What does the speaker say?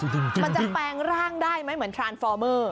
มันจะแปลงร่างได้ไหมเหมือนทรานฟอร์เมอร์